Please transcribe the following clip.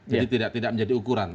jadi tidak menjadi ukuran